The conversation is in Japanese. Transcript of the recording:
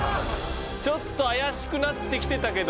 ちょっと怪しくなってきてたけど。